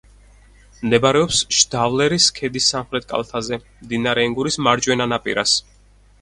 მდებარეობს შდავლერის ქედის სამხრეთ კალთაზე, მდინარე ენგურის მარჯვენა ნაპირას.